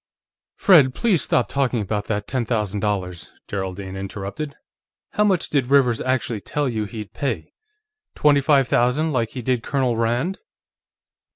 "Fred, please stop talking about that ten thousand dollars!" Geraldine interrupted. "How much did Rivers actually tell you he'd pay? Twenty five thousand, like he did Colonel Rand?"